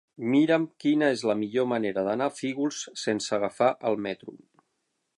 Mira'm quina és la millor manera d'anar a Fígols sense agafar el metro.